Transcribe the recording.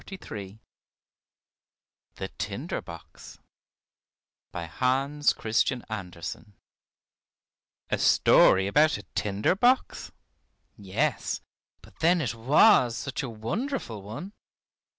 THE TINDER BOX BY HANS CHRISTIAN ANDERSEN A story about a tinder box? Yes, but then it was such a wonderful one!